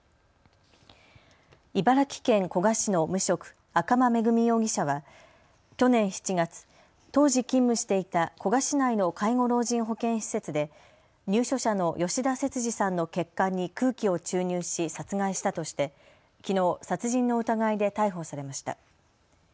茨城県古河市の無職、赤間恵美容疑者は去年７月、当時勤務していた古河市内の介護老人保健施設で入所者の吉田節次さんの血管に空気を注入し殺害したとしてきのう殺人の疑いで逮捕されました。